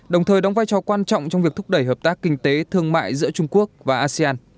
đồng thời đóng vai trò quan trọng trong việc thúc đẩy hợp tác kinh tế thương mại giữa trung quốc và asean